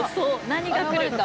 何か来るんだ。